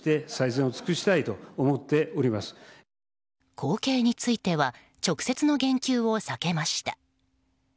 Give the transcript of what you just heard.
後継については直接の言及を避けました。